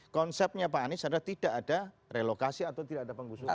konsepnya pak anies adalah tidak ada relokasi atau tidak ada penggusuran